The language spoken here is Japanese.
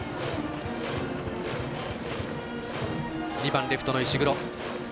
２番レフトの石黒。